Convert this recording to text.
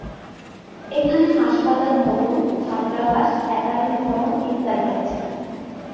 এখানে হাসপাতাল ভবন, ছাত্রাবাস, একাডেমিক ভবন ইত্যাদি আছে।